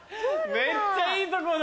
めっちゃいい所だ。